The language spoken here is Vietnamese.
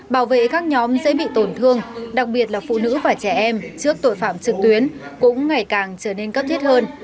bảo vệ các nhóm dễ bị tổn thương đặc biệt là phụ nữ và trẻ em trước tội phạm trực tuyến cũng ngày càng trở nên cấp thiết hơn